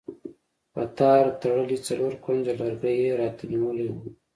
په تار تړلی څلور کونجه لرګی یې راته نیولی و.